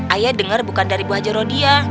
ayah denger bukan dari bu hajar rodia